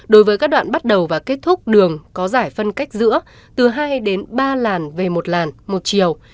đối với các đoạn bắt đầu và kết thúc đường có giải phân cách giữa từ hai đến ba làn về một làn một chiều